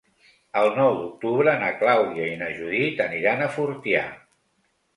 El nou d'octubre na Clàudia i na Judit aniran a Fortià.